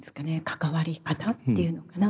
関わり方っていうのかな。